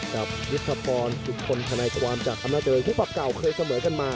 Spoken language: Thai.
กับมิสพอร์น๑๐คนธนายความจากอำนาจริงฮุภัพเก่าเคยเสมอกันมา